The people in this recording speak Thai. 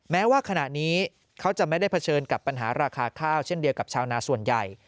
แม้ว่าขณะนี้เขาจะไม่ได้เผชิญกับปัญหาราคาข้าวเช่นเดียวกับชาวนาส่วนใหญ่